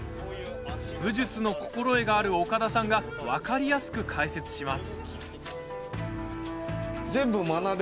武術の心得がある岡田さんが分かりやすく解説します。